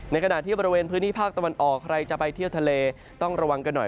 ขณะที่บริเวณพื้นที่ภาคตะวันออกใครจะไปเที่ยวทะเลต้องระวังกันหน่อย